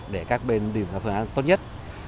để các bên đều có phương án tốt nhất